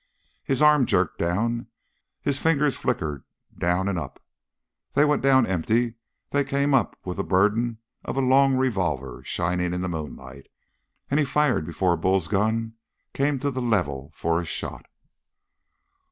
His arm jerked down; his fingers flickered down and up. They went down empty; they came up with the burden of a long revolver, shining in the moonlight, and he fired before Bull's gun came to the level for a shot.